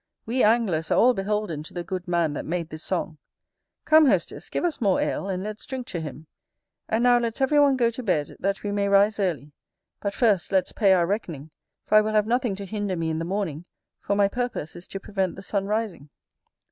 We anglers are all beholden to the good man that made this song: come, hostess, give us more ale, and let's drink to him. And now let's every one go to bed, that we may rise early: but first let's pay our reckoning, for I will have nothing to hinder me in the morning; for my purpose is to prevent the sun rising.